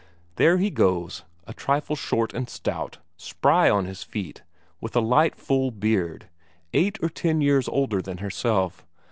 There he goes, a trifle short and stout, spry on his feet, with a light, full beard, eight or ten years older than herself.